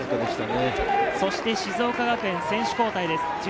そして静岡学園選手交代です。